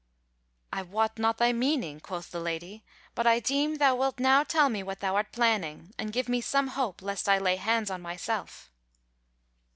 "I wot not thy meaning," quoth the Lady, "but I deem thou wilt now tell me what thou art planning, and give me some hope, lest I lay hands on myself."